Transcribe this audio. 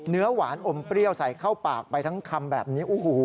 เนื้อหวานอมเปรี้ยวใส่เข้าปากไปทั้งคำแบบนี้โอ้โห